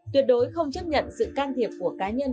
tuyệt đối không chấp nhận sự can thiệp của cá nhân